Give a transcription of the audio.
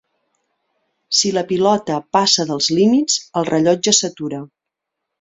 Si la pilota passa dels límits, el rellotge s'atura.